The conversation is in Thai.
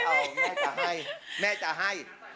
เอาแม่จะให้แม่จะให้